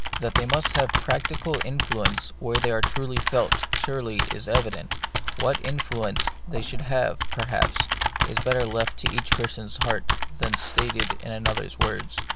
That they must have practical influence where they are truly felt, surely is evident : what influence they should have, perhaps, is better left to each person's heart than stated in another's words.